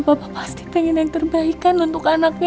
bapak pasti pengen yang terbaik kan untuk anaknya